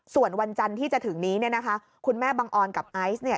ส่วนวันจันที่จะถึงนี้คุณแม่บังออนกับไอซ์